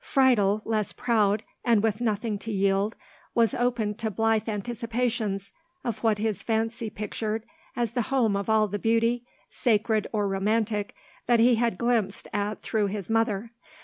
Friedel, less proud, and with nothing to yield, was open to blithe anticipations of what his fancy pictured as the home of all the beauty, sacred or romantic, that he had glimpsed at through his mother.